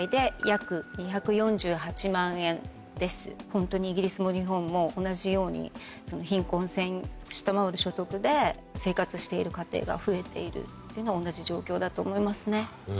ホントにイギリスも日本も同じように貧困線を下回る所得で生活している家庭が増えているっていうのは同じ状況だと思いますねはい。